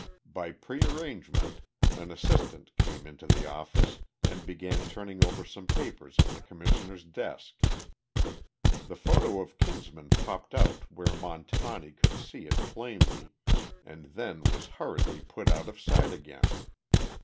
By pre arrangement an assistant came into the office and began turning over some papers on the Commissioner's desk. The photo of Kinsman popped out where Montani could see it plainly, and then was hurriedly put out of sight again.